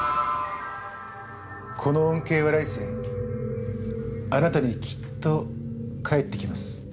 この恩恵は来世あなたにきっと返って来ます